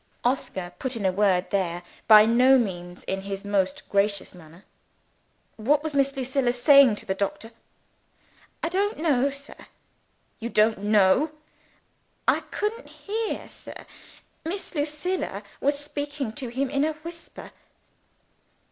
Oscar put in a word there by no means in his most gracious manner. "What was Miss Lucilla saying to the doctor?" "I don't know, sir." "You don't know?" "I couldn't hear, sir. Miss Lucilla was speaking to him in a whisper."